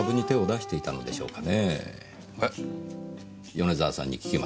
米沢さんに聞きました。